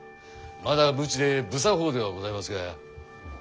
まだ無知で不作法ではございますが。